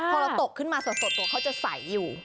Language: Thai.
พอเราตกขึ้นมาสดตัวเขาจะใสอยู่